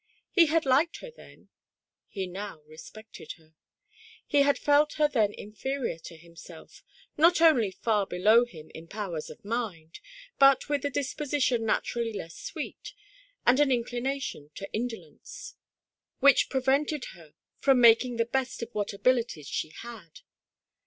He had liked her then, he now respected her. He had felt her then inferior to himself; not only far below him in powers of mind, but with a disposition naturally less sweet, and an inclination to indolence, which prevented her from mak ing the best of what abilities she had.